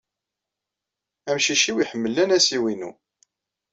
Amcic-iw iḥemmel anasiw-inu.